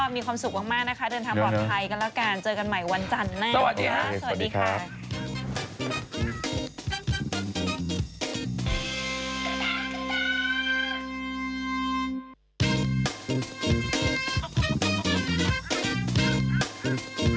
มีความสุขมากนะคะเดินทางปลอดภัยกันแล้วกัน